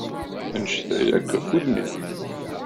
Annect-a yak, af udem-im!